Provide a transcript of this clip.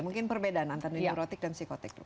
mungkin perbedaan antara neurotik dan psikotik